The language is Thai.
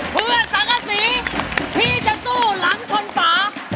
เพื่อสังกษีที่จะสู้หลังชนฝา